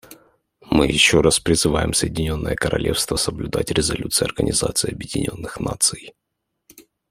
Мы еще раз призываем Соединенное Королевство соблюдать резолюции Организации Объединенных Наций.